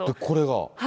これが。